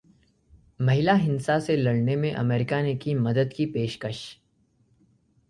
महिला हिंसा से लड़ने में अमेरिका ने की मदद की पेशकश